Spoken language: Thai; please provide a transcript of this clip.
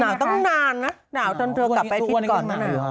หนาวต้องนานนะหนาวถ้าเธอกลับไปพิษก่อน